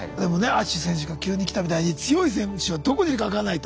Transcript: アッシュ選手が急に来たみたいに強い選手はどこにいるか分かんないと。